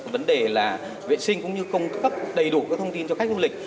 vấn đề là vệ sinh cũng như cung cấp đầy đủ các thông tin cho khách du lịch